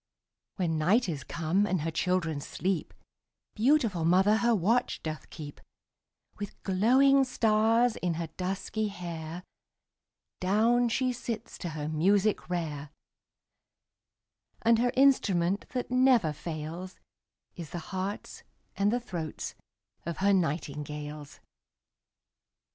When night is come, and her children sleep, Beautiful mother her watch doth keep; With glowing stars in her dusky hair Down she sits to her music rare; And her instrument that never fails, Is the hearts and the throats of her nightingales.